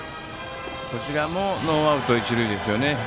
こちらもノーアウト、一塁ですよね。